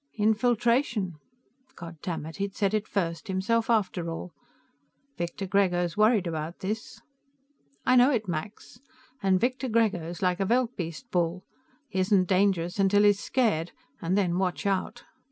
"Infiltration." Goddamit, he'd said it first, himself after all! "Victor Grego's worried about this." "I know it, Max. And Victor Grego's like a veldbeest bull; he isn't dangerous till he's scared, and then watch out.